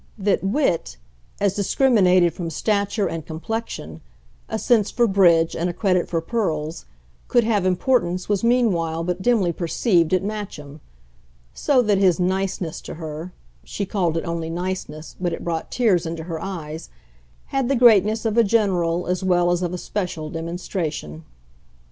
That wit, as discriminated from stature and complexion, a sense for "bridge" and a credit for pearls, could have importance was meanwhile but dimly perceived at Matcham; so that his "niceness" to her she called it only niceness, but it brought tears into her eyes had the greatness of a general as well as of a special demonstration.